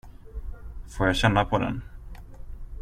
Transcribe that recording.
Får jag känna på den?